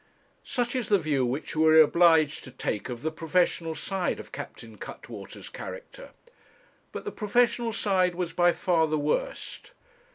Such is the view which we are obliged to take of the professional side of Captain Cuttwater's character. But the professional side was by far the worst.